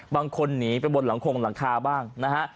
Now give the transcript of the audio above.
บางคนหนีไปบนหลังคงหลังคาบ้างนะฮะ